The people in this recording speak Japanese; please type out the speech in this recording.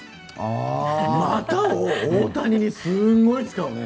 また？を大谷にすごい使うね。